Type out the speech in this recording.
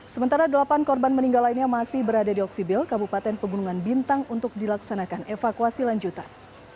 sementara delapan korban meninggal lainnya masih berada di oksibil kabupaten pegunungan bintang untuk dilaksanakan evakuasi lanjutan